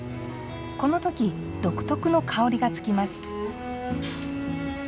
この時、独特の香りが付きます。